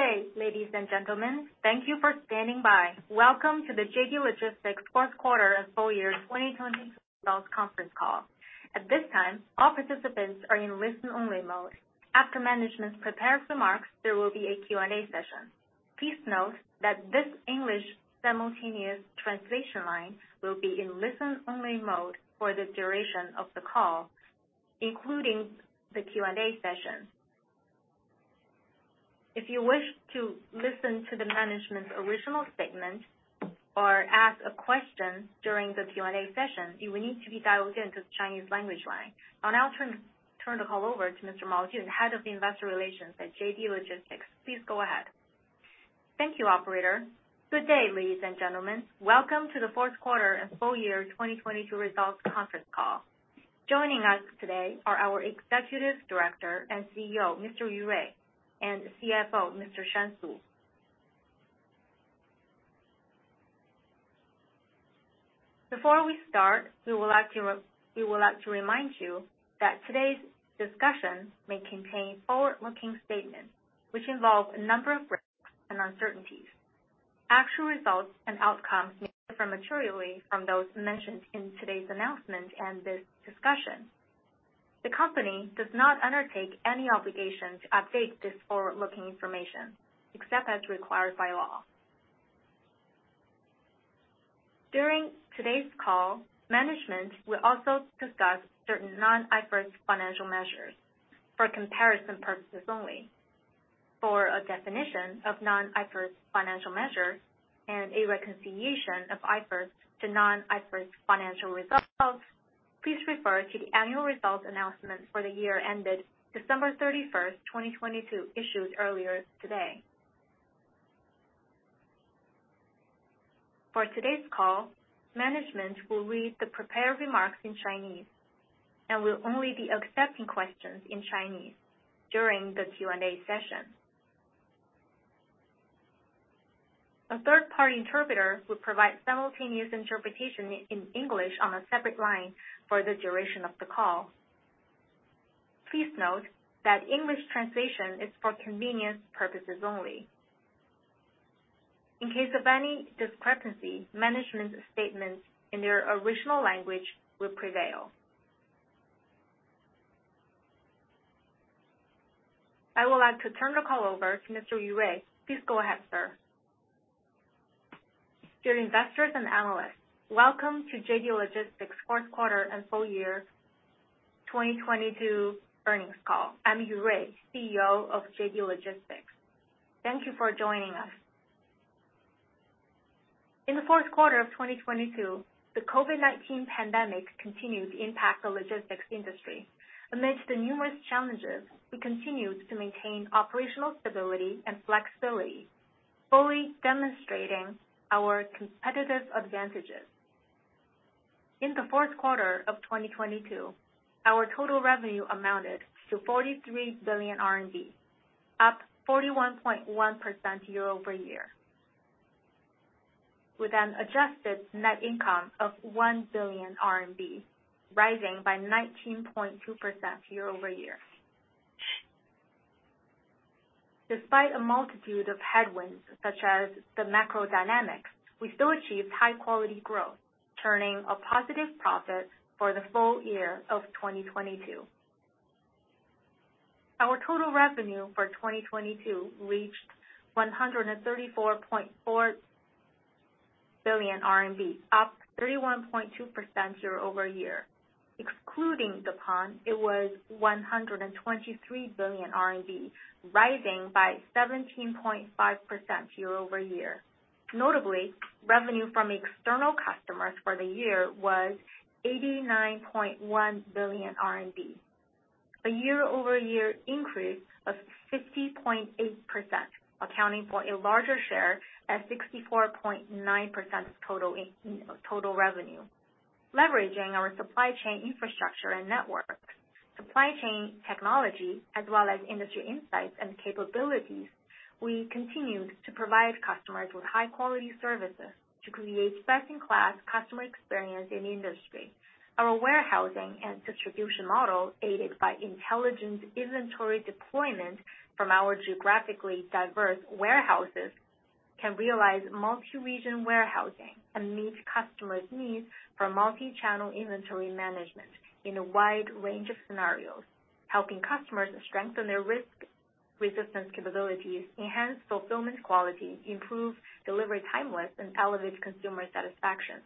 Good day, ladies and gentlemen. Thank you for standing by. Welcome to the JD Logistics Fourth Quarter and Full-Year 2022 Results Conference Call. At this time, all participants are in listen-only mode. After management's prepared remarks, there will be a Q&A session. Please note that this English simultaneous translation line will be in listen-only mode for the duration of the call, including the Q&A session. If you wish to listen to the management's original statement or ask a question during the Q&A session, you will need to be dialed in to the Chinese language line. I'll now turn the call over to Mr. Mao Jun, Head of the Investor Relations at JD Logistics. Please go ahead. Thank you, operator. Good day, ladies and gentlemen. Welcome to the Fourth Quarter and Full-Year 2022 Results Conference Call. Joining us today are our Executive Director and CEO, Mr. Yu Rui, and CFO, Mr. Shan Su. Before we start, we would like to remind you that today's discussion may contain forward-looking statements, which involve a number of risks and uncertainties. Actual results and outcomes may differ materially from those mentioned in today's announcement and this discussion. The company does not undertake any obligation to update this forward-looking information, except as required by law. During today's call, management will also discuss certain non-IFRS financial measures for comparison purposes only. For a definition of non-IFRS financial measure and a reconciliation of IFRS to non-IFRS financial results, please refer to the annual results announcement for the year ended December 31st, 2022, issued earlier today. For today's call, management will read the prepared remarks in Chinese and will only be accepting questions in Chinese during the Q&A session. A third-party interpreter will provide simultaneous interpretation in English on a separate line for the duration of the call. Please note that English translation is for convenience purposes only. In case of any discrepancy, management statements in their original language will prevail. I would like to turn the call over to Mr. Yu Rui. Please go ahead, sir. Dear investors and analysts, welcome to JD Logistics fourth quarter and full-year 2022 earnings call. I'm Yu Rui, CEO of JD Logistics. Thank you for joining us. In the fourth quarter of 2022, the COVID-19 pandemic continued to impact the logistics industry. Amidst the numerous challenges, we continued to maintain operational stability and flexibility, fully demonstrating our competitive advantages. In the fourth quarter of 2022, our total revenue amounted to 43 billion RMB, up 41.1% year-over-year, with an adjusted net income of 1 billion RMB, rising by 19.2% year-over-year. Despite a multitude of headwinds such as the macro dynamics, we still achieved high-quality growth, turning a positive profit for the full-year of 2022. Our total revenue for 2022 reached 134.4 billion RMB, up 31.2% year-over-year. Excluding the Deppon, it was 123 billion RMB, rising by 17.5% year-over-year. Notably, revenue from external customers for the year was 89.1 billion RMB, a year-over-year increase of 50.8%, accounting for a larger share at 64.9% of total revenue. Leveraging our supply chain infrastructure and networks, supply chain technology, as well as industry insights and capabilities, we continued to provide customers with high-quality services to create second-class customer experience in the industry. Our warehousing and distribution model, aided by intelligent inventory deployment from our geographically diverse warehouses, can realize multi-region warehousing and meet customers' needs for multi-channel inventory management in a wide range of scenarios, helping customers strengthen their risk resistance capabilities, enhance fulfillment quality, improve delivery timelines, and elevate consumer satisfaction.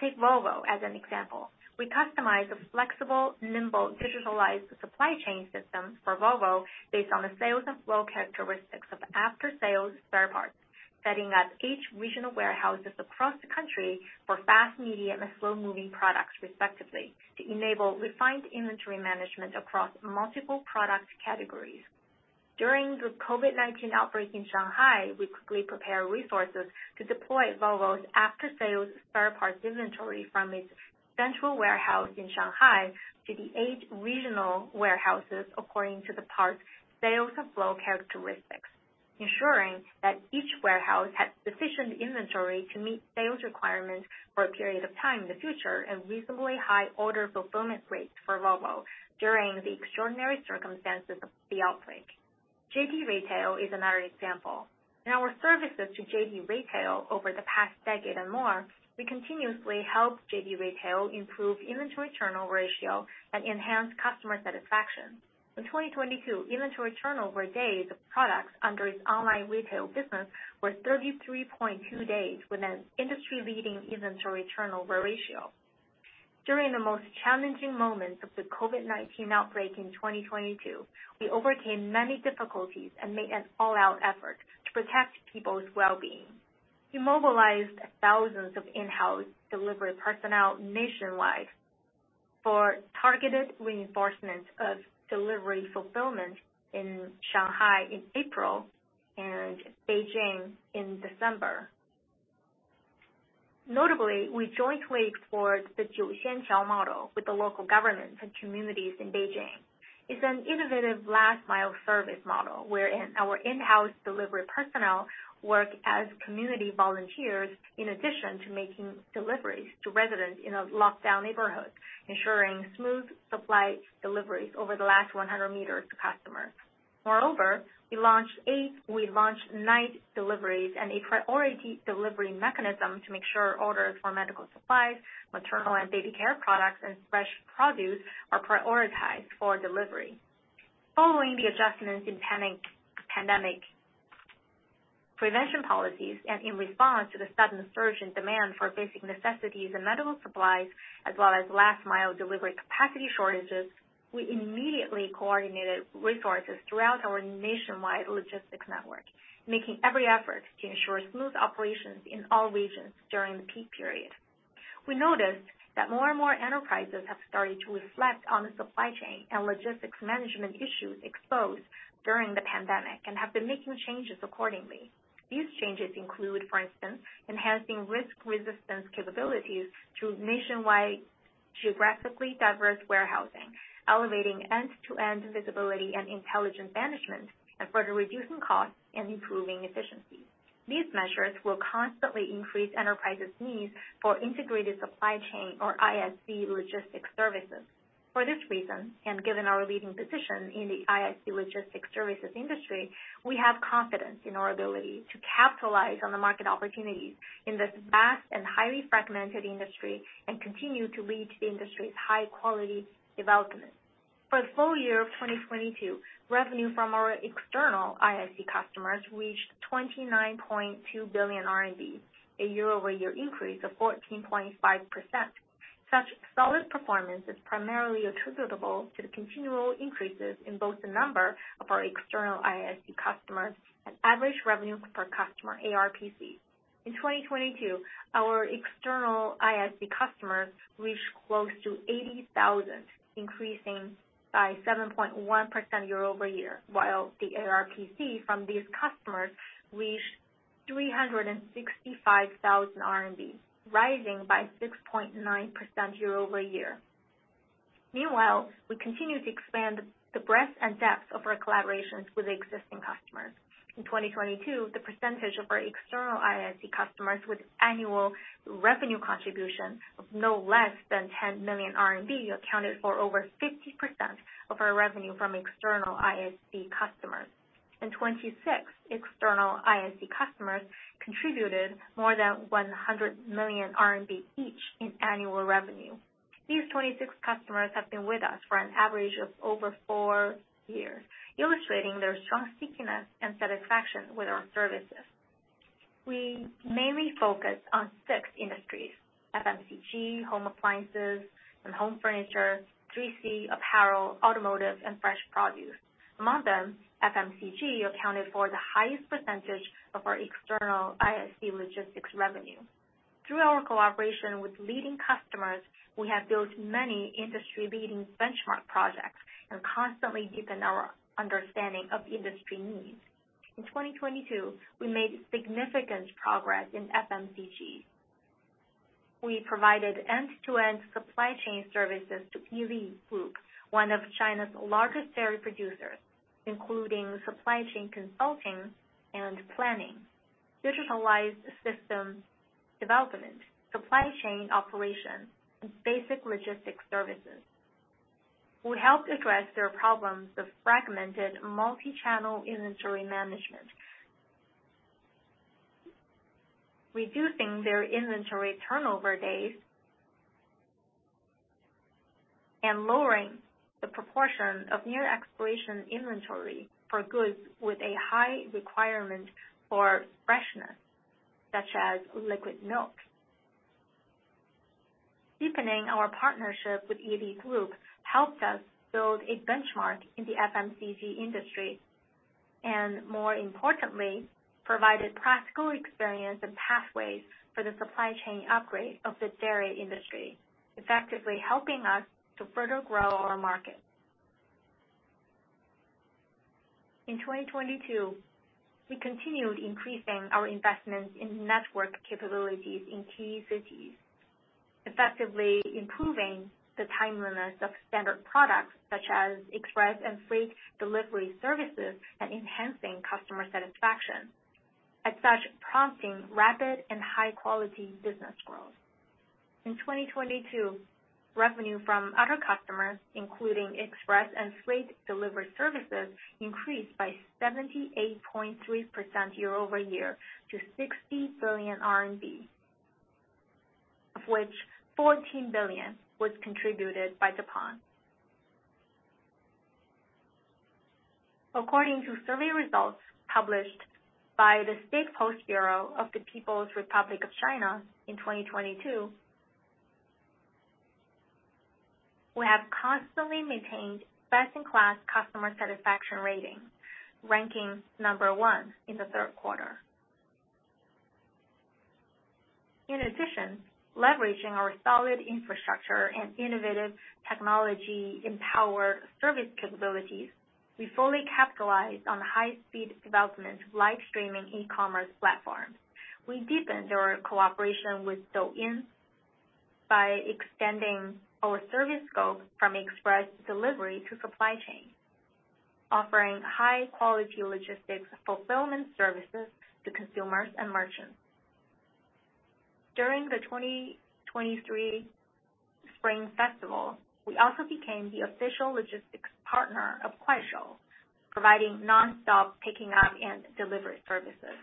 Take Volvo as an example. We customized a flexible, nimble, digitalized supply chain system for Volvo based on the sales and flow characteristics of after-sales spare parts, setting up each regional warehouses across the country for fast, medium, and slow-moving products respectively to enable refined inventory management across multiple product categories. During the COVID-19 outbreak in Shanghai, we quickly prepared resources to deploy Volvo's after-sales spare parts inventory from its central warehouse in Shanghai to the eight regional warehouses according to the parts sales flow characteristics, ensuring that each warehouse had sufficient inventory to meet sales requirements for a period of time in the future and reasonably high order fulfillment rates for Volvo during the extraordinary circumstances of the outbreak. JD Retail is another example. In our services to JD Retail over the past decade and more, we continuously help JD Retail improve inventory turnover ratio and enhance customer satisfaction. In 2022, inventory turnover days of products under its online retail business were 33.2 days with an industry-leading inventory turnover ratio. During the most challenging moments of the COVID-19 outbreak in 2022, we overcame many difficulties and made an all-out effort to protect people's well-being. We mobilized thousands of in-house delivery personnel nationwide for targeted reinforcement of delivery fulfillment in Shanghai in April and Beijing in December. Notably, we jointly explored the Jiuxianqiao model with the local governments and communities in Beijing. It's an innovative last-mile service model wherein our in-house delivery personnel work as community volunteers in addition to making deliveries to residents in a lockdown neighborhood, ensuring smooth supply deliveries over the last 100 meters to customers. Moreover, we launched night deliveries and a priority delivery mechanism to make sure orders for medical supplies, maternal and baby care products, and fresh produce are prioritized for delivery. Following the adjustments in pandemic prevention policies and in response to the sudden surge in demand for basic necessities and medical supplies, as well as last-mile delivery capacity shortages, we immediately coordinated resources throughout our nationwide logistics network, making every effort to ensure smooth operations in all regions during the peak period. We noticed that more and more enterprises have started to reflect on the supply chain and logistics management issues exposed during the pandemic and have been making changes accordingly. These changes include, for instance, enhancing risk resistance capabilities through nationwide geographically diverse warehousing, elevating end-to-end visibility and intelligent management, and further reducing costs and improving efficiency. These measures will constantly increase enterprises' needs for integrated supply chain or ISC logistics services. For this reason, given our leading position in the ISC logistics services industry, we have confidence in our ability to capitalize on the market opportunities in this vast and highly fragmented industry and continue to lead the industry's high-quality development. For the full-year of 2022, revenue from our external ISC customers reached 29.2 billion RMB, a year-over-year increase of 14.5%. Such solid performance is primarily attributable to the continual increases in both the number of our external ISC customers and Average Revenue Per Customer, ARPC. In 2022, our external ISC customers reached close to 80,000, increasing by 7.1% year-over-year, while the ARPC from these customers reached 365,000 RMB, rising by 6.9% year-over-year. Meanwhile, we continue to expand the breadth and depth of our collaborations with existing customers. In 2022, the percentage of our external ISC customers with annual revenue contribution of no less than 10 million RMB accounted for over 50% of our revenue from external ISC customers. 26 external ISC customers contributed more than 100 million RMB each in annual revenue. These 26 customers have been with us for an average of over four years, illustrating their strong stickiness and satisfaction with our services. We mainly focus on six industries, FMCG, home appliances and home furniture, 3C, apparel, automotive, and fresh produce. Among them, FMCG accounted for the highest percentage of our external ISC logistics revenue. Through our collaboration with leading customers, we have built many industry-leading benchmark projects and constantly deepen our understanding of industry needs. In 2022, we made significant progress in FMCG. We provided end-to-end supply chain services to Yili Group, one of China's largest dairy producers, including supply chain consulting and planning, digitalized systems development, supply chain operations, and basic logistics services. We helped address their problems of fragmented multi-channel inventory management, reducing their inventory turnover days and lowering the proportion of near-expiration inventory for goods with a high requirement for freshness, such as liquid milk. Deepening our partnership with Yili Group helped us build a benchmark in the FMCG industry, and more importantly, provided practical experience and pathways for the supply chain upgrade of the dairy industry, effectively helping us to further grow our market. In 2022, we continued increasing our investments in network capabilities in key cities, effectively improving the timeliness of standard products such as express and freight delivery services and enhancing customer satisfaction. As such, prompting rapid and high-quality business growth. In 2022, revenue from other customers, including express and freight delivery services, increased by 78.3% year-over-year to 60 billion RMB, of which 14 billion was contributed by Japan. According to survey results published by the State Post Bureau of the People's Republic of China in 2022, we have constantly maintained best-in-class customer satisfaction rating, ranking number one in the third quarter. Leveraging our solid infrastructure and innovative technology-empowered service capabilities, we fully capitalize on the high-speed development of live streaming e-commerce platforms. We deepened our cooperation with Douyin by extending our service scope from express delivery to supply chain, offering high-quality logistics fulfillment services to consumers and merchants. During the 2023 spring festival, we also became the official logistics partner of Kuaishou, providing nonstop picking up and delivery services.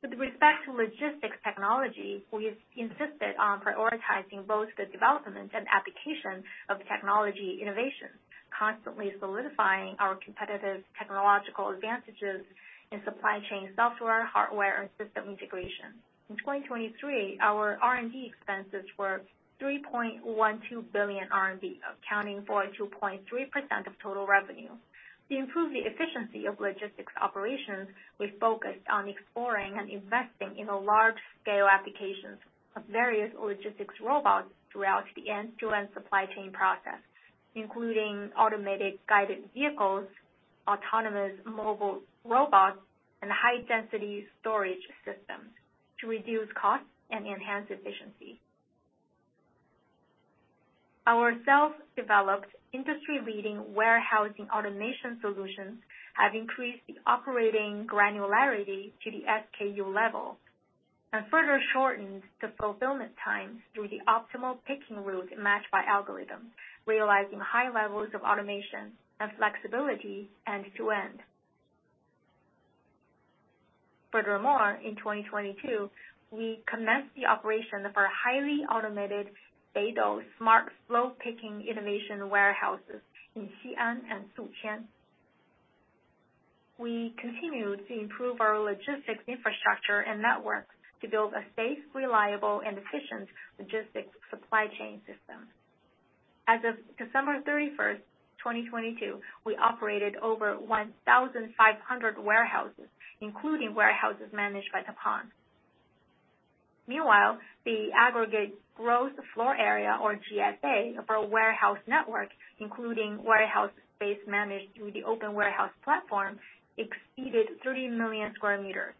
With respect to logistics technology, we have insisted on prioritizing both the development and application of technology innovation, constantly solidifying our competitive technological advantages in supply chain software, hardware, and system integration. In 2023, our R&D expenses were 3.12 billion RMB, accounting for 2.3% of total revenue. To improve the efficiency of logistics operations, we focused on exploring and investing in the large-scale applications of various logistics robots throughout the end-to-end supply chain process, including automated guided vehicles, autonomous mobile robots, and high-density storage systems to reduce costs and enhance efficiency. Our self-developed industry-leading warehousing automation solutions have increased the operating granularity to the SKU level and further shortened the fulfillment time through the optimal picking route matched by algorithm, realizing high levels of automation and flexibility end to end. Furthermore, in 2022, we commenced the operation of our highly automated BeiDou smart flow picking innovation warehouses in Xi'an and Suqian. We continued to improve our logistics infrastructure and network to build a safe, reliable, and efficient logistics supply chain system. As of December 31st, 2022, we operated over 1,500 warehouses, including warehouses managed by Deppon. Meanwhile, the aggregate gross floor area or GFA of our warehouse network, including warehouse space managed through the Open Warehouse Platform, exceeded 30 million square meters.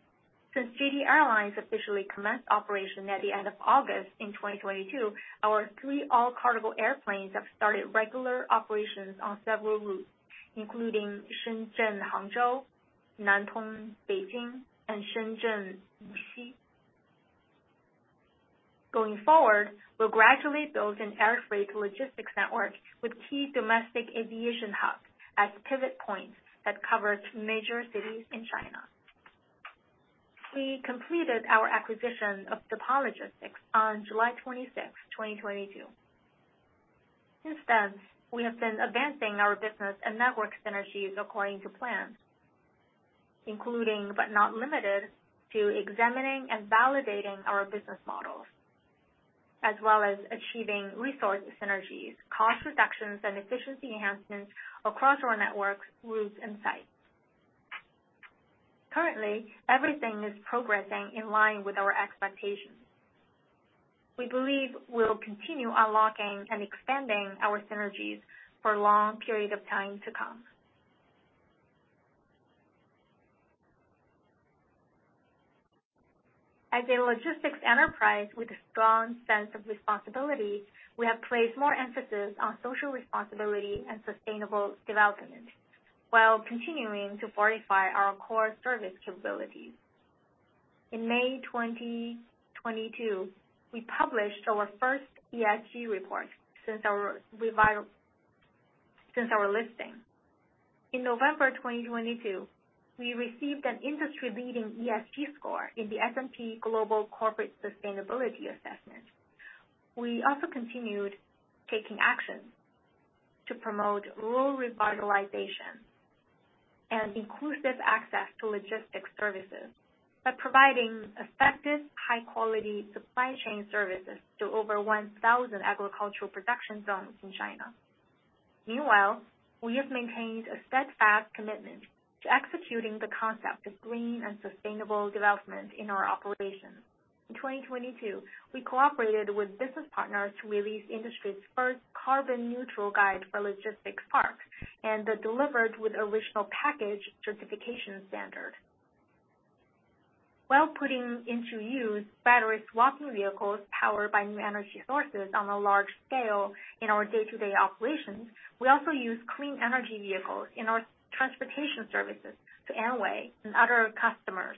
Since JD Airlines officially commenced operation at the end of August in 2022, our three all-cargo airplanes have started regular operations on several routes, including Shenzhen-Hangzhou, Nantong-Beijing, and Shenzhen-Yuxi. Going forward, we'll gradually build an air freight logistics network with key domestic aviation hubs as pivot points that cover major cities in China. We completed our acquisition of the Deppon Logistics on July 26th, 2022. Since then, we have been advancing our business and network synergies according to plan, including, but not limited to examining and validating our business models, as well as achieving resource synergies, cost reductions, and efficiency enhancements across our networks, routes and sites. Currently, everything is progressing in line with our expectations. We believe we'll continue unlocking and expanding our synergies for a long period of time to come. As a logistics enterprise with a strong sense of responsibility, we have placed more emphasis on social responsibility and sustainable development while continuing to fortify our core service capabilities. In May 2022, we published our first ESG report since our listing. In November 2022, we received an industry-leading ESG score in the S&P Global Corporate Sustainability Assessment. We also continued taking actions to promote rural revitalization and inclusive access to logistics services by providing effective, high-quality supply chain services to over 1,000 agricultural production zones in China. Meanwhile, we have maintained a steadfast commitment to executing the concept of green and sustainable development in our operations. In 2022, we cooperated with business partners to release industry's first carbon-neutral guide for logistics parks and the Delivered with Original Package certification standard. While putting into use battery-swapping vehicles powered by new energy sources on a large scale in our day-to-day operations, we also use clean energy vehicles in our transportation services to Anhui and other customers.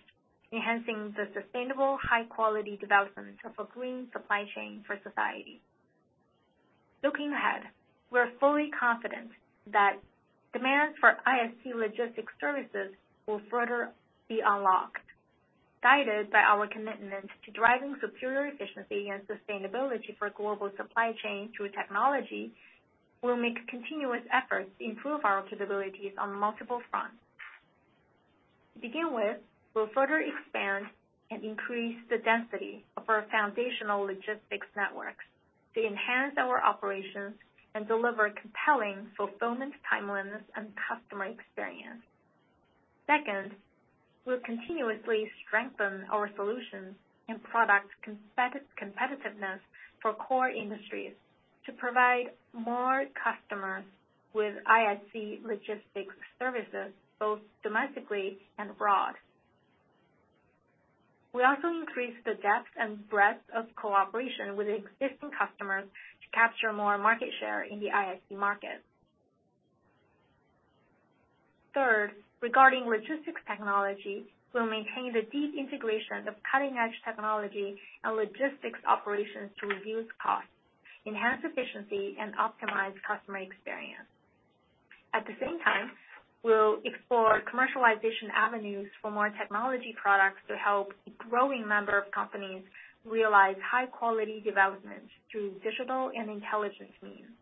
Enhancing the sustainable high-quality development of a green supply chain for society. Looking ahead, we are fully confident that demand for ISC logistics services will further be unlocked. Guided by our commitment to driving superior efficiency and sustainability for global supply chain through technology, we'll make continuous efforts to improve our capabilities on multiple fronts. To begin with, we'll further expand and increase the density of our foundational logistics networks to enhance our operations and deliver compelling fulfillment, timeliness, and customer experience. Second, we'll continuously strengthen our solutions and product competitiveness for core industries to provide more customers with ISC logistics services both domestically and abroad. We also increase the depth and breadth of cooperation with existing customers to capture more market share in the ISC market. Third, regarding logistics technology, we'll maintain the deep integration of cutting-edge technology and logistics operations to reduce costs, enhance efficiency, and optimize customer experience. At the same time, we'll explore commercialization avenues for more technology products to help a growing number of companies realize high-quality development through digital and intelligent means.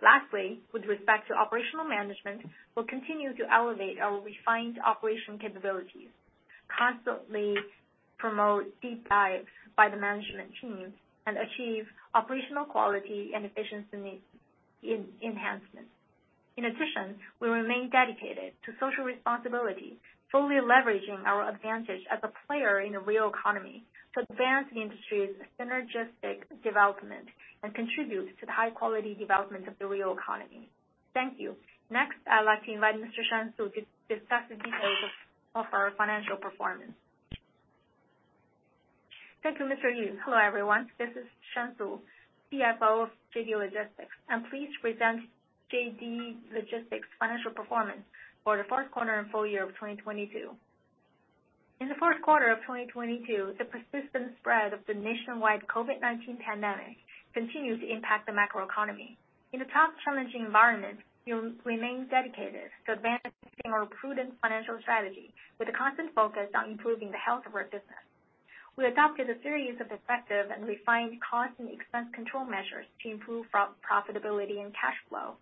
Lastly, with respect to operational management, we'll continue to elevate our refined operation capabilities, constantly promote deep dives by the management team, and achieve operational quality and efficiency in enhancement. In addition, we remain dedicated to social responsibility, fully leveraging our advantage as a player in the real economy to advance the industry's synergistic development and contribute to the high-quality development of the real economy. Thank you. Next, I'd like to invite Mr. Shan Xu to discuss the details of our financial performance. Thank you, Mr. Yu. Hello, everyone. This is Shan Xu, CFO of JD Logistics. I'm pleased to present JD Logistics' financial performance for the fourth quarter and full-year of 2022. In the fourth quarter of 2022, the persistent spread of the nationwide COVID-19 pandemic continued to impact the macroeconomy. In a tough challenging environment, we remain dedicated to advancing our prudent financial strategy with a constant focus on improving the health of our business. We adopted a series of effective and refined cost and expense control measures to improve pro-profitability and cash flow.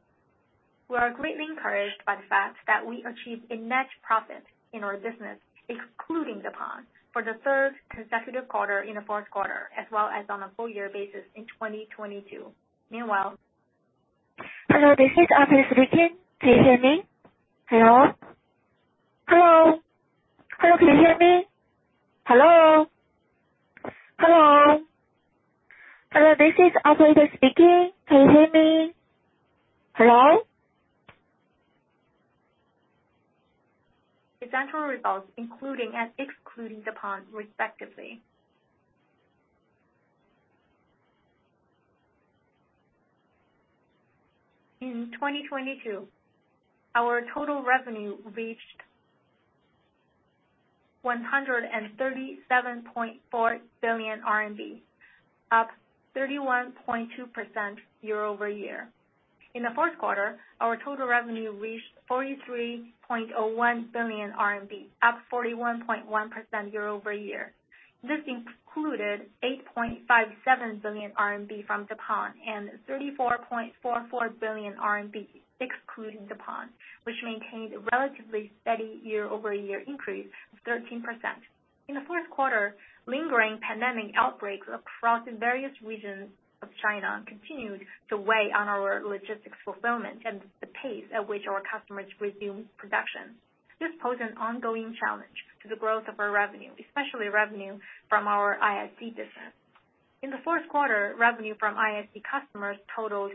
We are greatly encouraged by the fact that we achieved a net profit in our business, excluding Japan, for the third consecutive quarter in the fourth quarter, as well as on a full-year basis in 2022. Hello, this is operator speaking. Can you hear me? Hello? Hello? Hello, can you hear me? Hello? Hello? Hello, this is operator speaking. Can you hear me? Hello? Essential results, including and excluding Japan, respectively. In 2022, our total revenue reached RMB 137.4 billion, up 31.2% year-over-year. In Q4, our total revenue reached 43.01 billion RMB, up 41.1% year-over-year. This included 8.57 billion RMB from Japan and 34.44 billion RMB excluding Japan, which maintained a relatively steady year-over-year increase of 13%. In Q4, lingering pandemic outbreaks across various regions of China continued to weigh on our logistics fulfillment and the pace at which our customers resumed production. This posed an ongoing challenge to the growth of our revenue, especially revenue from our ISC business. In Q4, revenue from ISC customers totaled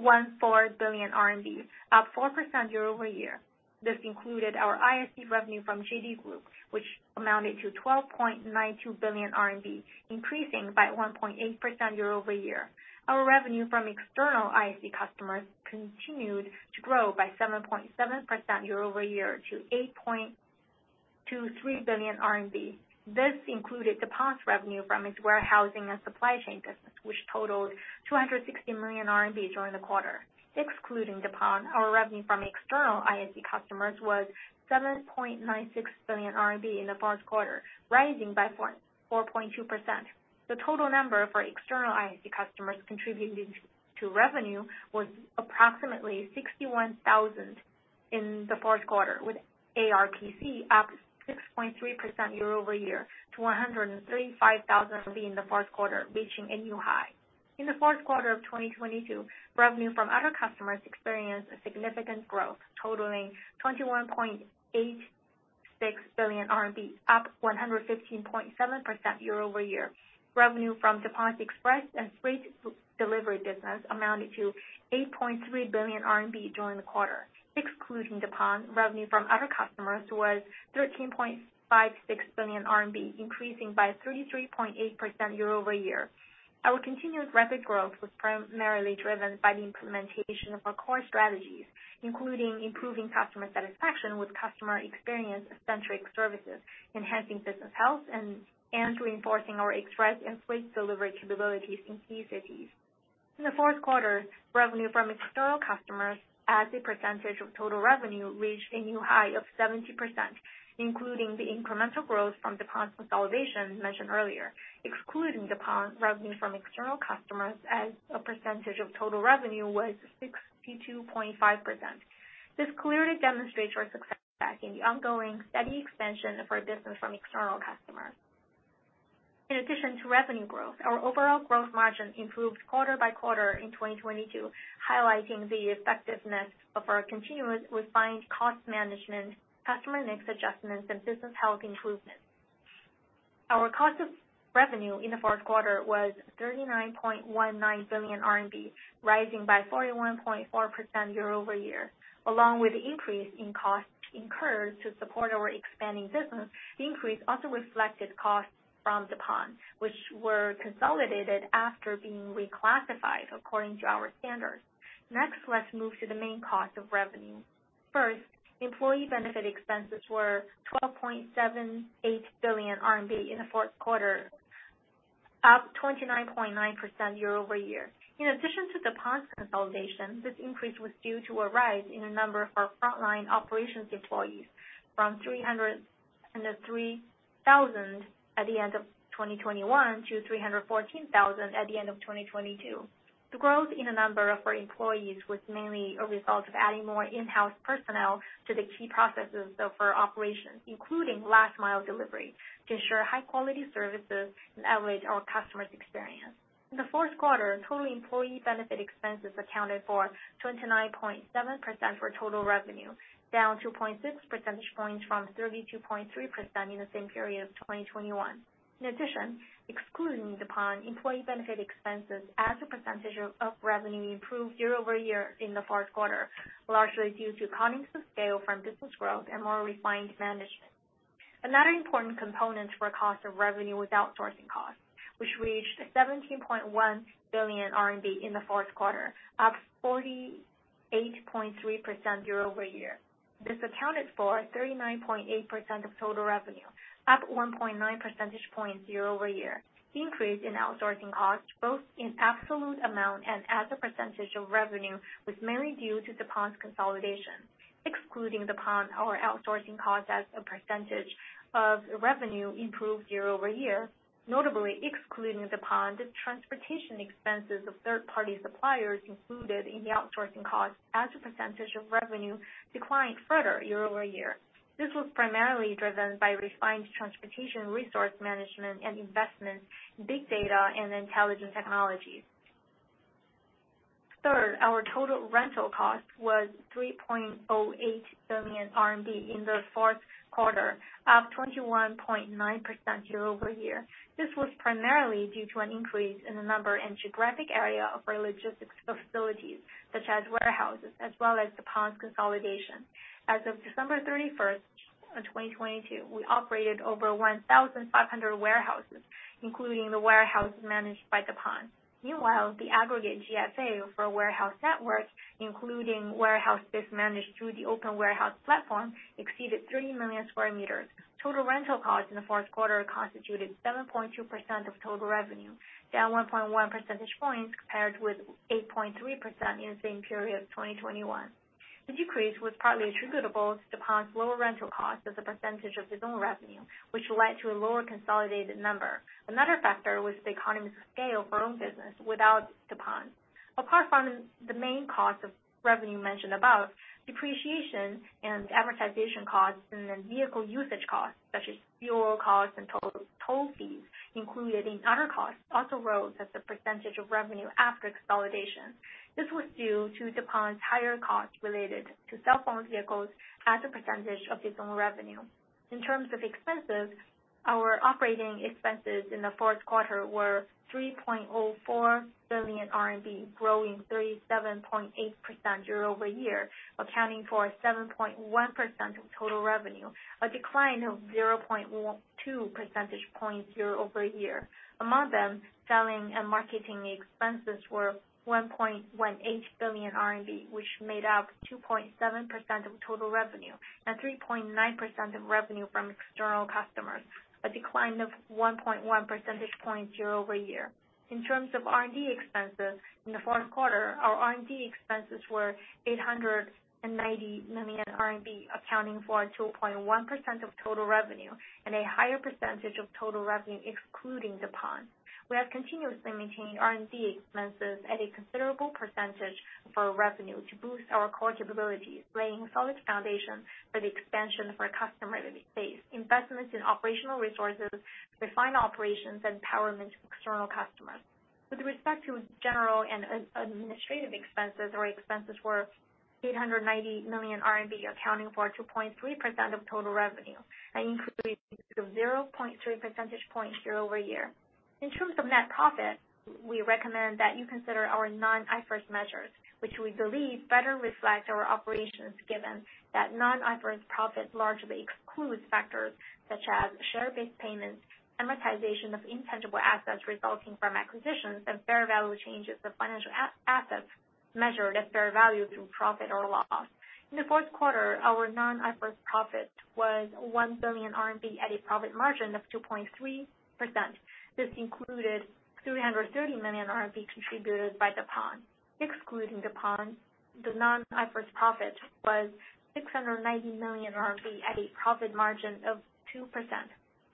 21.414 billion RMB, up 4% year-over-year. This included our ISC revenue from JD Group, which amounted to 12.92 billion RMB, increasing by 1.8% year-over-year. Our revenue from external ISC customers continued to grow by 7.7% year-over-year to 8.23 billion RMB. This included Deppon's revenue from its warehousing and supply chain business, which totaled 260 million RMB during the quarter. Excluding Deppon, our revenue from external ISC customers was 7.96 billion RMB in the fourth quarter, rising by 4.2%. The total number for external ISC customers contributing to revenue was approximately 61,000 in the fourth quarter, with ARPC up 6.3% year-over-year to 135,000 in the fourth quarter, reaching a new high. In the fourth quarter of 2022, revenue from other customers experienced a significant growth, totaling 21.86 billion RMB, up 115.7% year-over-year. Revenue from Japan's express and freight delivery business amounted to 8.3 billion RMB during the quarter. Excluding Japan, revenue from other customers was 13.56 billion RMB, increasing by 33.8% year-over-year. Our continuous rapid growth was primarily driven by the implementation of our core strategies, including improving customer satisfaction with customer experience-centric services, enhancing business health, and reinforcing our express and fleet delivery capabilities in key cities. In the fourth quarter, revenue from external customers as a percentage of total revenue reached a new high of 70%, including the incremental growth from Deppon's consolidation mentioned earlier. Excluding Deppon, revenue from external customers as a percentage of total revenue was 62.5%. This clearly demonstrates our success back in the ongoing steady expansion of our business from external customers. In addition to revenue growth, our overall growth margin improved quarter-by-quarter in 2022, highlighting the effectiveness of our continuous refined cost management, customer mix adjustments, and business health improvements. Our cost of revenue in the fourth quarter was 39.19 billion RMB, rising by 41.4% year-over-year. Along with the increase in costs incurred to support our expanding business, the increase also reflected costs from Deppon, which were consolidated after being reclassified according to our standards. Let's move to the main cost of revenue. Employee benefit expenses were 12.78 billion RMB in the fourth quarter, up 29.9% year-over-year. In addition to Deppon's consolidation, this increase was due to a rise in the number of our frontline operations employees from 303,000 at the end of 2021 to 314,000 at the end of 2022. The growth in the number of our employees was mainly a result of adding more in-house personnel to the key processes of our operations, including last mile delivery, to ensure high quality services and elevate our customers' experience. In the fourth quarter, total employee benefit expenses accounted for 29.7% for total revenue, down 2.6 percentage points from 32.3% in the same period of 2021. In addition, excluding Deppon, employee benefit expenses as a percentage of revenue improved year-over-year in the fourth quarter, largely due to economies of scale from business growth and more refined management. Another important component for cost of revenue was outsourcing costs, which reached 17.1 billion RMB in the fourth quarter, up 48.3% year-over-year. This accounted for 39.8% of total revenue, up 1.9 percentage point year-over-year. Increase in outsourcing costs, both in absolute amount and as a percentage of revenue, was mainly due to Deppon's consolidation. Excluding Deppon, our outsourcing cost as a percentage of revenue improved year-over-year. Notably excluding Deppon, the transportation expenses of third-party suppliers included in the outsourcing cost as a percentage of revenue declined further year-over-year. This was primarily driven by refined transportation resource management and investment in big data and intelligent technologies. Third, our total rental cost was 3.08 billion RMB in the fourth quarter, up 21.9% year-over-year. This was primarily due to an increase in the number and geographic area of our logistics facilities, such as warehouses, as well as Deppon's consolidation. As of December 31st, 2022, we operated over 1,500 warehouses, including the warehouse managed by Deppon. Meanwhile, the aggregate GFA for warehouse network, including warehouse space managed through the Open Warehouse Platform, exceeded 3 million square meters. Total rental costs in the fourth quarter constituted 7.2% of total revenue, down 1.1 percentage points compared with 8.3% in the same period of 2021. The decrease was partly attributable to Deppon's lower rental costs as a percentage of its own revenue, which led to a lower consolidated number. Another factor was the economies of scale for own business without Deppon. Apart from the main cost of revenue mentioned above, depreciation and amortization costs and the vehicle usage costs, such as fuel costs and total toll fees included in other costs, also rose as a percentage of revenue after consolidation. This was due to Deppon's higher costs related to cell phone vehicles as a percentage of its own revenue. In terms of expenses, our operating expenses in the fourth quarter were 3.04 billion RMB, growing 37.8% year-over-year, accounting for 7.1% of total revenue, a decline of 0.12 percentage points year-over-year. Among them, selling and marketing expenses were 1.18 billion RMB, which made up 2.7% of total revenue and 3.9% of revenue from external customers, a decline of 1.1 percentage points year-over-year. In terms of R&D expenses, in the fourth quarter, our R&D expenses were 890 million RMB, accounting for 2.1% of total revenue and a higher percentage of total revenue excluding Deppon. We have continuously maintained R&D expenses at a considerable percentage of our revenue to boost our core capabilities, laying solid foundation for the expansion of our customer base, investments in operational resources, refine operations, and power external customers. With respect to general and administrative expenses, our expenses were 890 million RMB, accounting for 2.3% of total revenue, an increase of 0.3 percentage points year-over-year. In terms of net profit, we recommend that you consider our non-IFRS measures, which we believe better reflect our operations given that non-IFRS profit largely excludes factors such as share-based payments, amortization of intangible assets resulting from acquisitions and fair value changes of financial assets, measured at fair value through profit or loss. In the fourth quarter, our non-IFRS profit was 1 billion RMB at a profit margin of 2.3%. This included 330 million RMB contributed by Deppon. Excluding Deppon, the non-IFRS profit was 690 million RMB at a profit margin of 2%.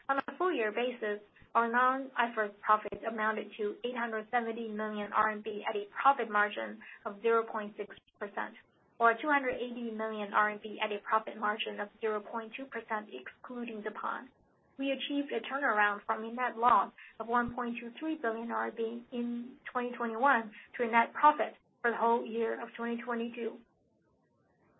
On a full-year basis, our non-IFRS profit amounted to 870 million RMB at a profit margin of 0.6% or 280 million RMB at a profit margin of 0.2% excluding Deppon. We achieved a turnaround from a net loss of 1.23 billion RMB in 2021 to a net profit for the whole year of 2022.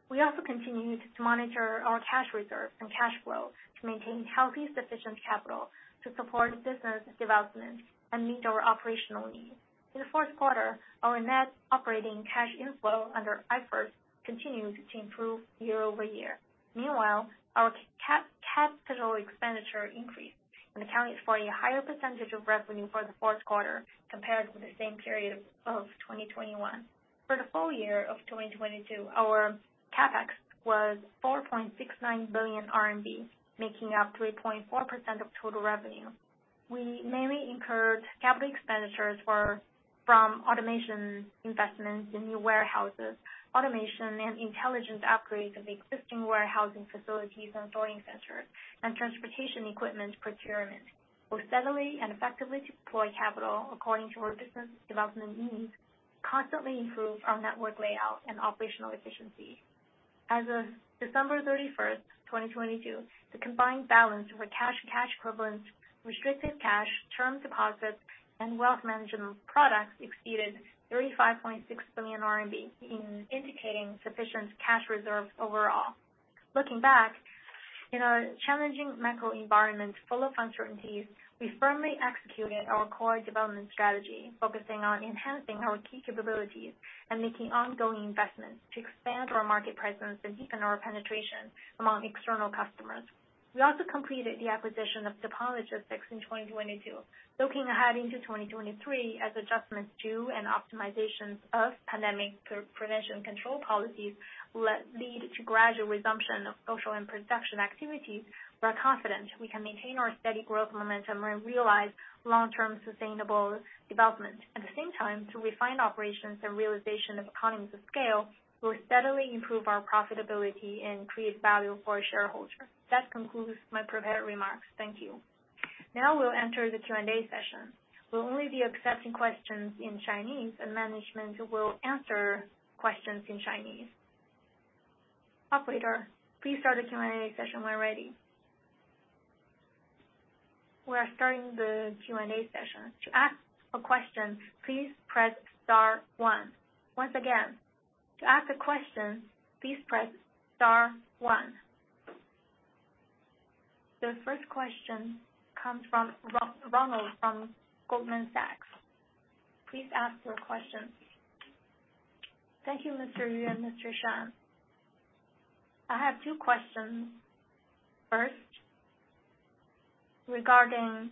We also continued to monitor our cash reserve and cash flow to maintain healthy, sufficient capital to support business development and meet our operational needs. In the fourth quarter, our net operating cash inflow under IFRS continued to improve year-over-year. Our CapEx increased and accounts for a higher percentage of revenue for the fourth quarter compared with the same period of 2021. For the full-year of 2022, our CapEx was 4.69 billion RMB, making up 3.4% of total revenue. We mainly incurred capital expenditures from automation investments in new warehouses, automation and intelligence upgrades of existing warehousing facilities and sorting centers, and transportation equipment procurement. We steadily and effectively deploy capital according to our business development needs, constantly improve our network layout and operational efficiency. As of December 31st, 2022, the combined balance of our cash equivalents, restricted cash, term deposits, and wealth management products exceeded 35.6 billion RMB, indicating sufficient cash reserves overall. Looking back, in a challenging macro environment full of uncertainties, we firmly executed our core development strategy, focusing on enhancing our key capabilities and making ongoing investments to expand our market presence and deepen our penetration among external customers. We also completed the acquisition of Deppon Logistics in 2022. Looking ahead into 2023 as adjustments to and optimizations of pandemic prevention control policies lead to gradual resumption of social and production activity, we are confident we can maintain our steady growth momentum and realize long-term sustainable development. At the same time, to refine operations and realization of economies of scale will steadily improve our profitability and create value for our shareholders. That concludes my prepared remarks. Thank you. Now we'll enter the Q&A session. We'll only be accepting questions in Chinese, and management will answer questions in Chinese. Operator, please start the Q&A session when ready. We are starting the Q&A session. To ask a question, please press star one. Once again, to ask a question, please press star one. The first question comes from Ronald from Goldman Sachs. Please ask your question. Thank you, Mr. Yu and Mr. Shan. I have two questions. First, regarding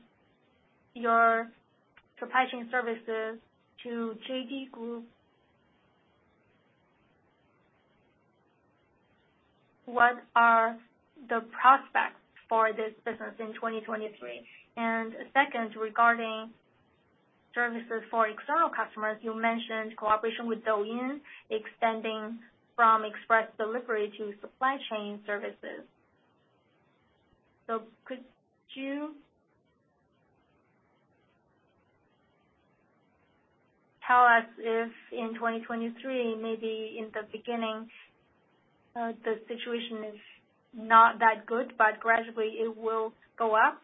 your supply chain services to JD Group. What are the prospects for this business in 2023? Second, regarding services for external customers, you mentioned cooperation with Douyin extending from express delivery to supply chain services. Could you tell us if in 2023, maybe in the beginning, the situation is not that good, but gradually it will go up.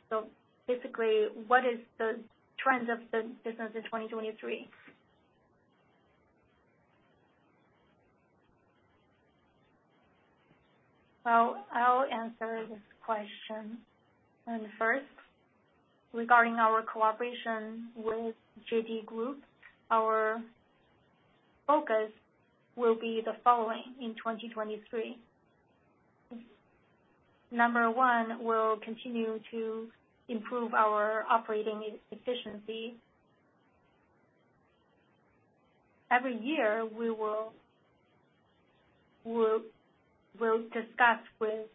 Basically, what is the trends of the business in 2023? Well, I'll answer this question. First, regarding our cooperation with JD Group, our focus will be the following in 2023. Number one, we will continue to improve our operating e-efficiency. Every year, we will discuss with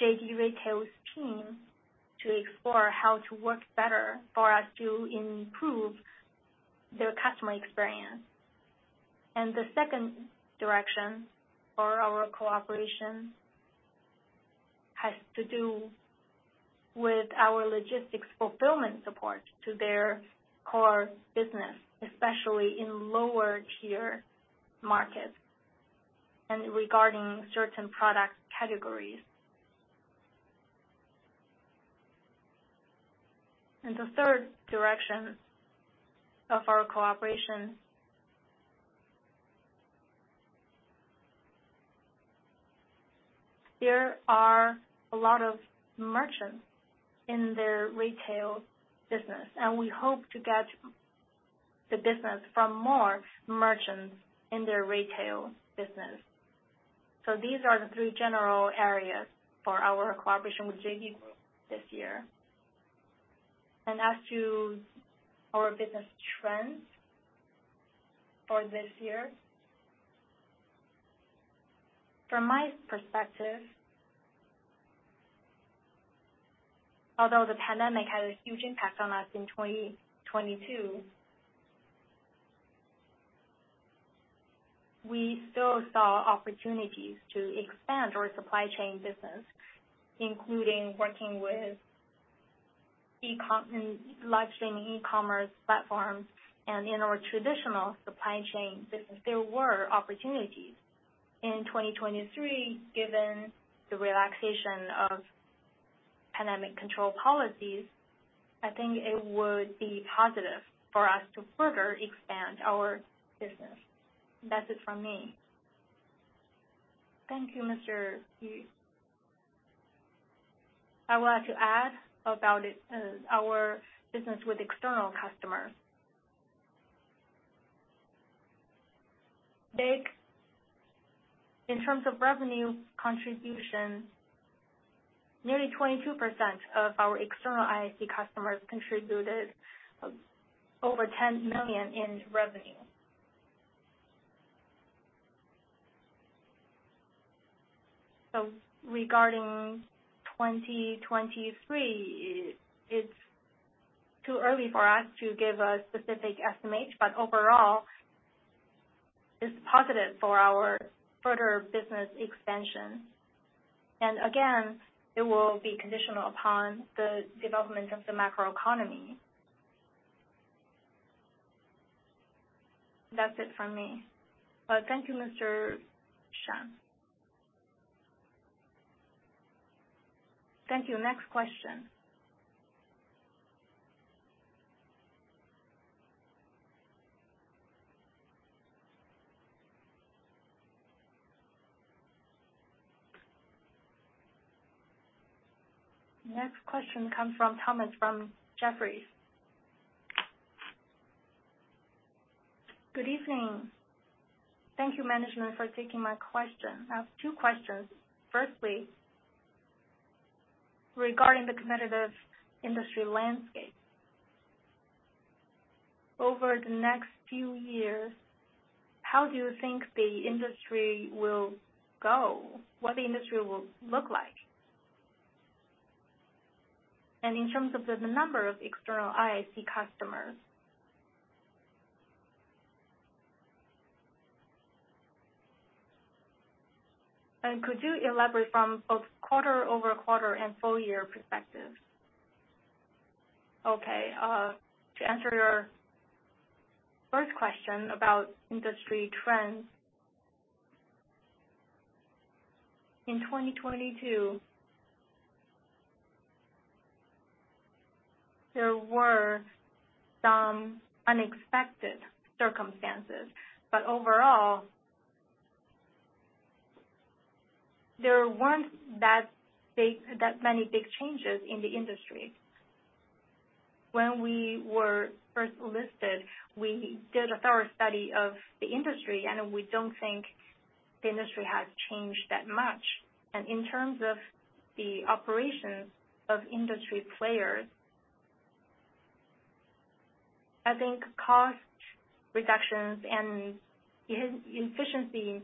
JD Retail's team to explore how to work better for us to improve their customer experience. The second direction for our cooperation has to do with our logistics fulfillment support to their core business, especially in lower-tier markets and regarding certain product categories. The third direction of our cooperation. There are a lot of merchants in their retail business, and we hope to get the business from more merchants in their retail business. These are the three general areas for our cooperation with JD this year. As to our business trends for this year, from my perspective, although the pandemic had a huge impact on us in 2022, we still saw opportunities to expand our supply chain business, including working with live streaming e-commerce platforms and in our traditional supply chain business, there were opportunities. In 2023, given the relaxation of pandemic control policies, I think it would be positive for us to further expand our business. That's it from me. Thank you, Mr. Yu. I would like to add about it, our business with external customers. In terms of revenue contribution, nearly 22% of our external ISC customers contributed over 10 million in revenue. Regarding 2023, it's too early for us to give a specific estimate, but overall, it's positive for our further business expansion. Again, it will be conditional upon the development of the macroeconomy. That's it from me. Thank you, Mr. Shan. Thank you. Next question. Next question comes from Thomas, from Jefferies. Good evening. Thank you, management, for taking my question. I have two questions. Firstly, regarding the competitive industry landscape. Over the next few years, how do you think the industry will go? What the industry will look like? In terms of the number of external ISC customers. Could you elaborate from both quarter-over-quarter and full-year perspective? Okay, to answer your first question about industry trends. In 2022, there were some unexpected circumstances, but overall, there weren't that many big changes in the industry. When we were first listed, we did a thorough study of the industry, and we don't think the industry has changed that much. In terms of the operations of industry players, I think cost reductions and efficiency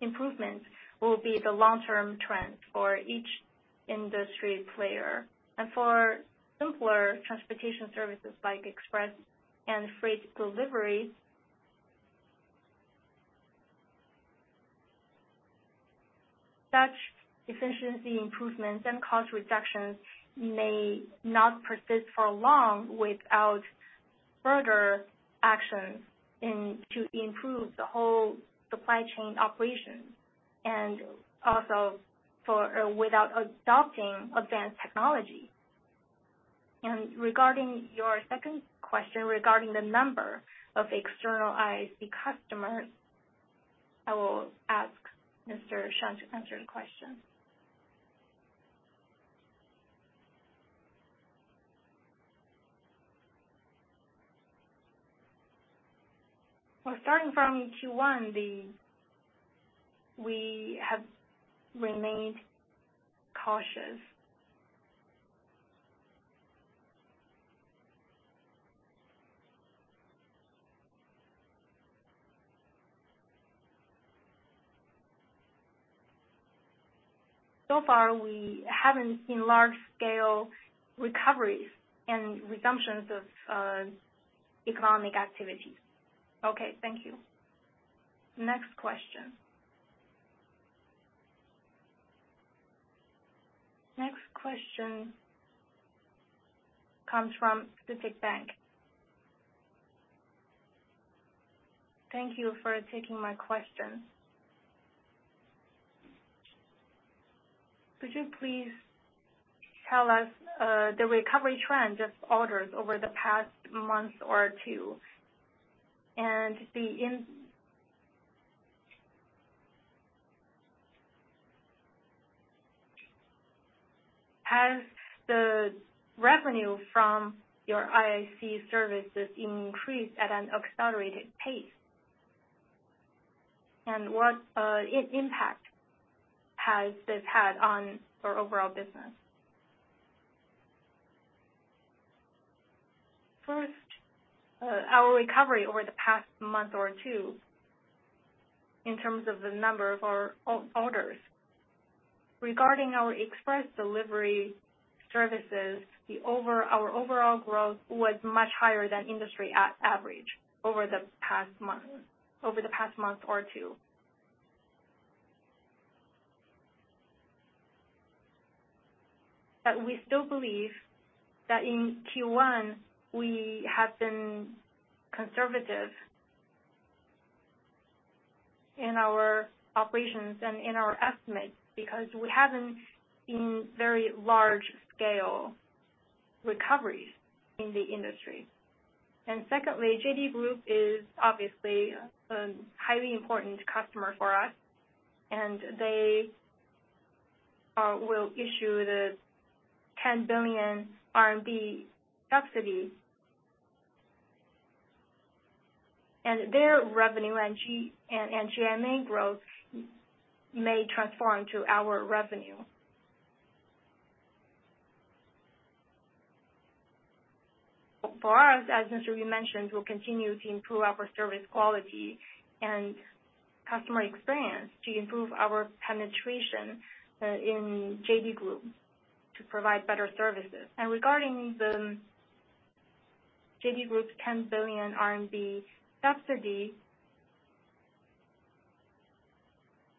improvements will be the long-term trend for each industry player. For simpler transportation services like express and freight deliveries, such efficiency improvements and cost reductions may not persist for long without further actions in to improve the whole supply chain operation and also for, without adopting advanced technology. Regarding your second question regarding the number of external ISC customers, I will ask Mr. Shan to answer the question. Well, starting from Q1, we have remained cautious. So far, we haven't seen large-scale recoveries and resumptions of economic activity. Okay, thank you. Next question. Next question comes from CITIC Securities. Thank you for taking my question. Could you please tell us the recovery trend of orders over the past month or two? Has the revenue from your ISC services increased at an accelerated pace? What impact has this had on your overall business? First, our recovery over the past month or two in terms of the number of our orders. Regarding our express delivery services, our overall growth was much higher than industry average over the past month, over the past month or two. We still believe that in Q1, we have been conservative in our operations and in our estimates, because we haven't seen very large-scale recoveries in the industry. Secondly, JD Group is obviously a highly important customer for us, and they will issue the 10 billion RMB subsidy. Their revenue and GMV growth may transform to our revenue. For us, as Mr. Yu mentioned, we'll continue to improve our service quality and customer experience to improve our penetration in JD Group to provide better services. Regarding the JD Group's CNY 10 billion subsidy,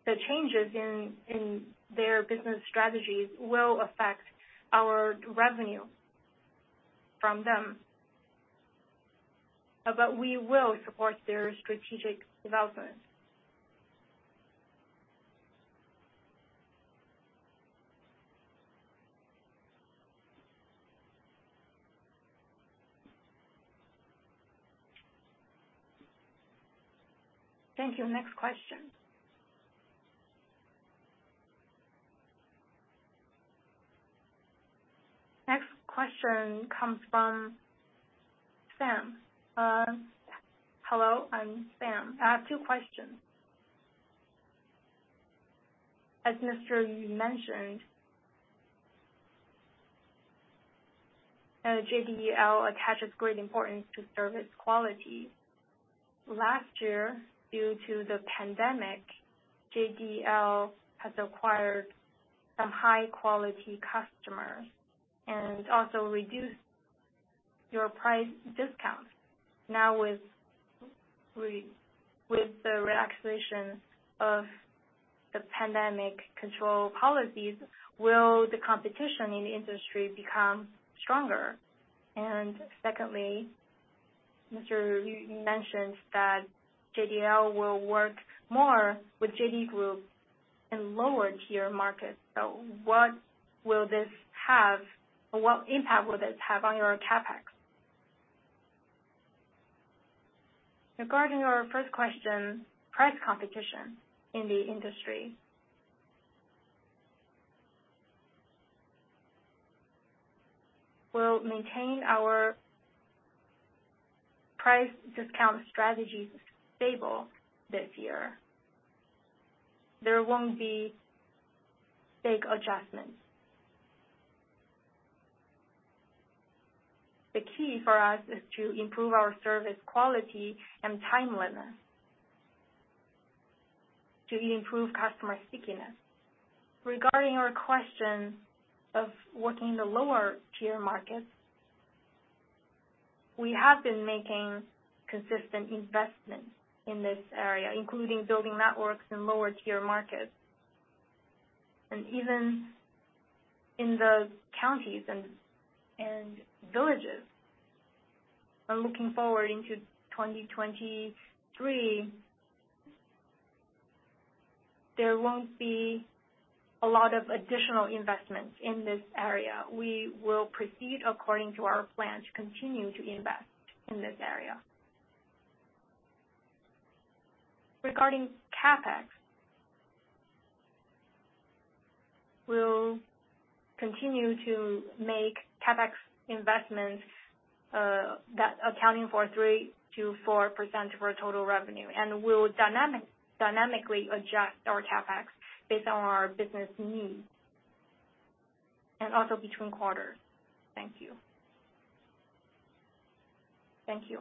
the changes in their business strategies will affect our revenue from them. We will support their strategic development. Thank you. Next question. Next question comes from Sam. Hello, I'm Sam. I have two questions. As Mr. Yu mentioned, JDL attaches great importance to service quality. Last year, due to the pandemic, JDL has acquired some high-quality customers and also reduced your price discount. Now, with the relaxation of the pandemic control policies, will the competition in the industry become stronger? Secondly, Mr. Yu mentioned that JDL will work more with JD Group in lower-tier markets. What impact will this have on your CapEx? Regarding our first question, price competition in the industry, we'll maintain our price discount strategies stable this year. There won't be big adjustments. The key for us is to improve our service quality and timeliness to improve customer stickiness. Regarding our question of working in the lower-tier markets, we have been making consistent investments in this area, including building networks in lower-tier markets, and even in the counties and villages. Looking forward into 2023, there won't be a lot of additional investments in this area. We will proceed according to our plan to continue to invest in this area. Regarding CapEx, we'll continue to make CapEx investments, that accounting for 3%-4 of our total revenue, and we'll dynamically adjust our CapEx based on our business needs and also between quarters. Thank you. Thank you.